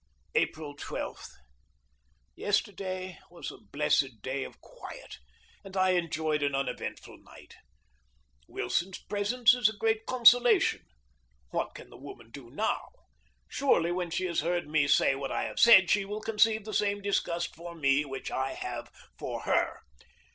April 12. Yesterday was a blessed day of quiet, and I enjoyed an uneventful night. Wilson's presence is a great consolation. What can the woman do now? Surely, when she has heard me say what I have said, she will conceive the same disgust for me which I have for her.